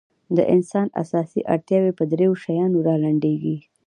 د انسان اساسي اړتیاوې په درېو شیانو رالنډېږي.